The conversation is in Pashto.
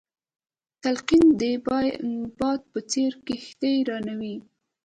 تلقين د باد په څېر کښتۍ روانوي.